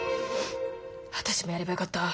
私もやればよかった。